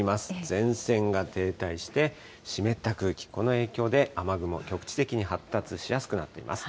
前線が停滞して、湿った空気、この影響で雨雲、局地的に発達しやすくなっています。